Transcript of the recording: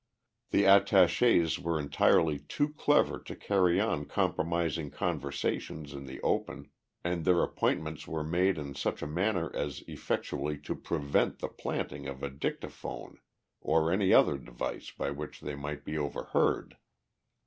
The attachés were entirely too clever to carry on compromising conversations in the open, and their appointments were made in such a manner as effectually to prevent the planting of a dictaphone or any other device by which they might be overheard.